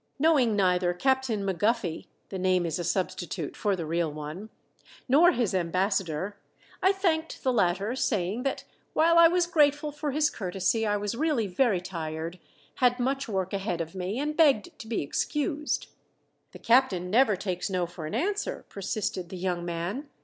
Knowing neither Captain Maguffy (the name is a substitute for the real one) nor his ambassador, I thanked the latter, saying that while I was grateful for his courtesy I was really very tired, had much work ahead of me, and begged to be excused. "The captain never takes no for an answer," persisted the young man.